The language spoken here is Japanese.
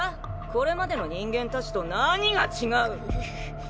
これまでの人間たちと何が違う？